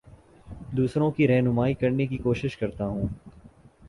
دوسروں کی رہنمائ کرنے کی کوشش کرتا ہوں